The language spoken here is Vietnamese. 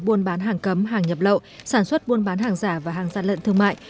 buôn bán hàng cấm hàng nhập lậu sản xuất buôn bán hàng giả và hàng gian lận thương mại